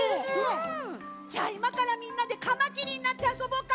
じゃあいまからみんなでカマキリになってあそぼうか？